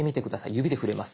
指で触れます。